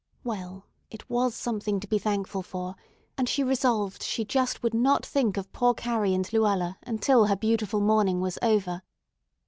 Well, it was something to be thankful for, and she resolved she just would not think of poor Carrie and Luella until her beautiful morning was over.